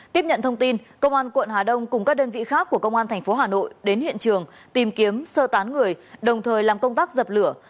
tiếp nhận thông tin công an quận hà đông cùng các đơn vị khác của công an tp hà nội đến hiện trường tìm kiếm sơ tán người đồng thời làm công tác dập lửa